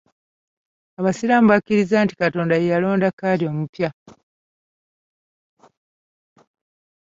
Abasiraamu bakkiriza nti Katonda ye yalonda Kadhi omupya.